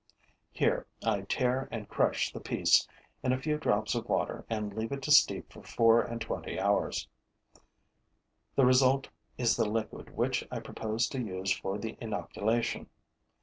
Here, I tear and crush the piece in a few drops of water and leave it to steep for four and twenty hours. The result is the liquid which I propose to use for the inoculation.